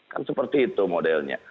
kan seperti itu modelnya